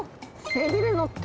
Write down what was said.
背びれの棘。